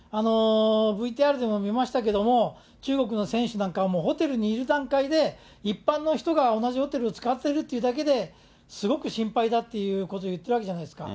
ＶＴＲでも見ましたけども、中国の選手なんかはもうホテルにいる段階で、一般の人が同じホテルを使っているというだけで、すごく心配だっていうことを言ってるわけじゃないですか。